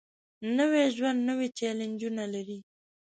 نوی ژوند نوې چیلنجونه لري